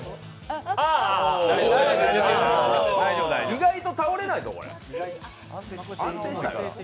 意外と倒れないぞ、これ。